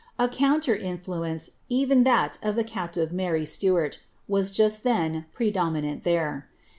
A counter influence, even that of the captive Mary Stuart, was just then predominant there.